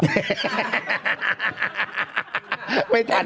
ไม่ทัน